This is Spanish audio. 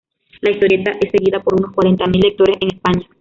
La historieta es seguida por unos cuarenta mil lectores en España.